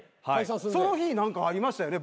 その日何かありましたよね